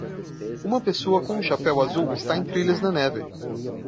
Uma pessoa com um chapéu azul está em trilhas na neve.